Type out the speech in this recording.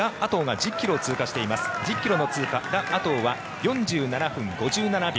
１０ｋｍの通過ラ・アトウは４７分５７秒。